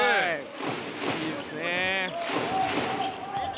いいですね。